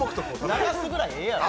流すぐらいええやろ。